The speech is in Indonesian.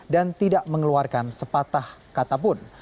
dan tidak mengeluarkan sepatah kata pun